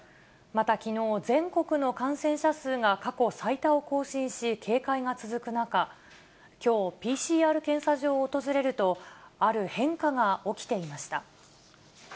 またきのう、全国の感染者数が過去最多を更新し、警戒が続く中、きょう、ＰＣＲ検査場を訪れると、ある変化が起きていました。